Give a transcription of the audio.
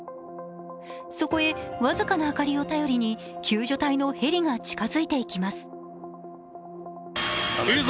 そこへ僅かな明かりを頼りに救助隊のヘリが近づいていきます。